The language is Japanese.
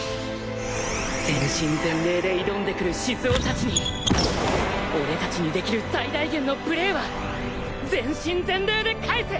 全身全霊で挑んでくる静雄達に俺達にできる最大限のプレーは全身全霊で返す！